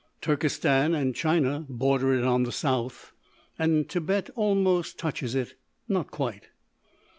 Turkestan and China border it on the south, and Tibet almost touches it, not quite.